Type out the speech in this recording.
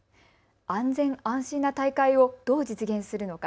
安全安心な大会をどう実現するのか。